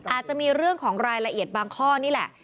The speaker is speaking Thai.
อาจจะมีเรื่องของรายละเอียดบางข้อนี่แหละ